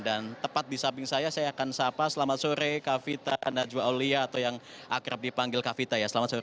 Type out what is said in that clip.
dan tepat di samping saya saya akan sapa selamat sore kavita najwa aulia atau yang akrab dipanggil kavita ya selamat sore